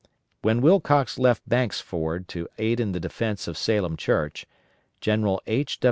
When Wilcox left Banks' Ford to aid in the defence of Salem Church, General H.